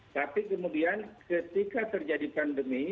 tapi kemudian ketika terjadi pandemi